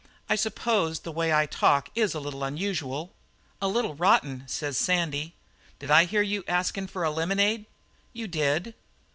'I suppose the way I talk is a little unusual.' "'A little rotten,' says Sandy. 'Did I hear you askin' for a lemonade?' "'You did.'